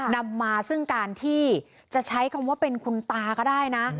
นำมาซึ่งการที่จะใช้คำว่าเป็นคุณตาก็ได้นะ